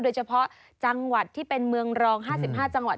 โดยเฉพาะจังหวัดที่เป็นเมืองรอง๕๕จังหวัด